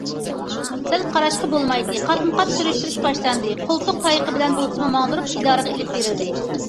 سەل قاراشقا بولمايتتى، قاتمۇقات سۈرۈشتۈرۈش باشلاندى، قولتۇق تايىقى بىلەن بولسىمۇ ماڭدۇرۇپ ئىدارىگە ئېلىپ بېرىلدى.